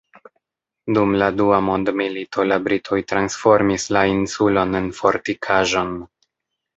Dum la Dua Mondmilito la britoj transformis la insulon en fortikaĵon.